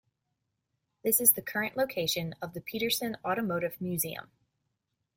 This is the current location of the Petersen Automotive Museum.